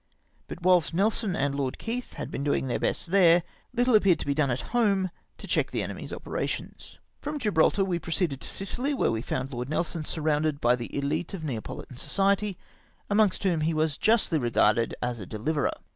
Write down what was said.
But whilst Nelson and Lord Keith had o 4 88 STATE OF THE FRENCH MARINE. been doing their best there, Httle appeared to be done at home to check the enemy's operations. From Gibraltar we proceeded to Sicily, where we Ibmid Lord Nelson surrounded by the elite of Neapo litan society, amongst whom he was justly regarded as a dehverer.